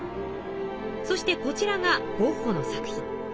そしてこちらがゴッホの作品。